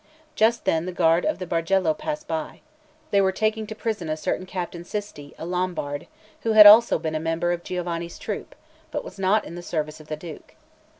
Just then the guard of the Bargello passed by; they were taking to prison a certain Captain Cisti, a Lombard, who had also been a member of Giovanni's troop, but was not in the service of the Duke.